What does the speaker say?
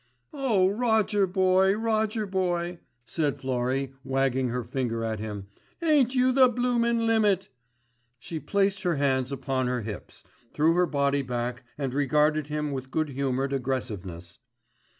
"Oh, Roger boy, Roger boy," said Florrie, wagging her finger at him. "Aint you the blooming limit?" She placed her hands upon her lips, threw her body back and regarded him with good humoured aggressiveness.